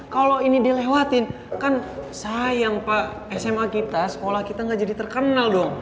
kalau ini dilewatin kan sayang pak sma kita sekolah kita gak jadi terkenal dong